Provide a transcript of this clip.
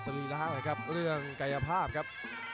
สรีร้าอะไรครับเรื่องไกยภาพครับ